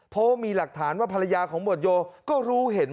เพราะว่ามีหลักฐานว่าภรรยาของหมวดโยก็รู้เห็น